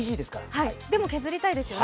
でも削りたいですよね。